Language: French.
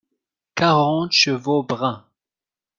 Quarante chevaux bruns.